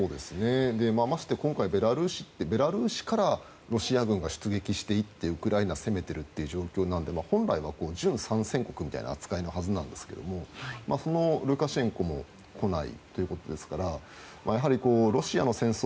まして今回ベラルーシからロシア軍が出撃していってウクライナを攻めている状況なので本来は準参戦国みたいな扱いなはずなんですがそのルカシェンコも来ないということですからやはりロシアの戦争